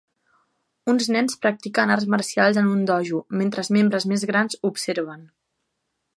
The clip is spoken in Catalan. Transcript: Uns nens practiquen arts marcials en un dojo mentre membres més grans observen.